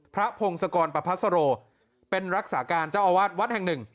พงศกรประพัสโรเป็นรักษาการเจ้าอาวาสวัดแห่งหนึ่ง